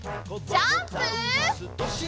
ジャンプ！